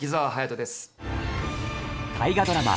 大河ドラマ